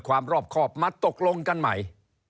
ความรอบครอบมาตกลงกันใหม่